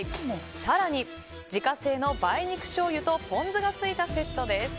更に、自家製の梅肉しょうゆとポン酢がついたセットです。